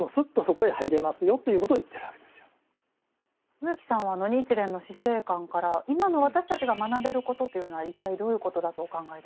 植木さんは日蓮の死生観から今の私たちが学べることというのは一体どういうことだとお考えですか？